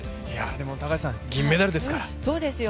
でも高橋さん、銀メダルですから。